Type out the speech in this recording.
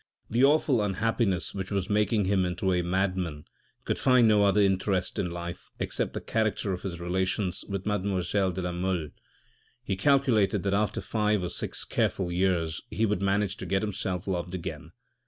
The awful un happiness which was making him into a madman could find no other interest in life except the character of his relations with mademoiselle de la Mole. He calculated that after five or six careful years he would manage to get himself loved again.